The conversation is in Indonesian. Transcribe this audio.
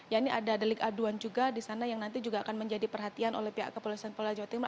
ya ini ada delik aduan juga di sana yang nanti juga akan menjadi perhatian oleh pihak kepolisian polda jawa timur